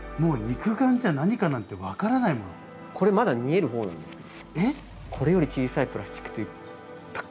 これまだ見える方なんですよ。えっ！？